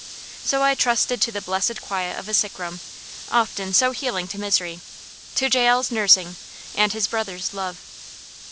So I trusted to the blessed quiet of a sick room often so healing to misery to Jael's nursing, and his brother's love.